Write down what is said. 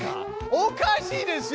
おかしいですよ